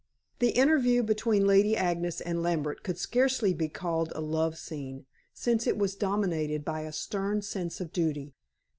The interview between Lady Agnes and Lambert could scarcely be called a love scene, since it was dominated by a stern sense of duty.